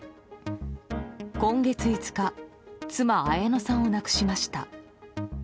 今月５日、妻・綾乃さんを亡くしました。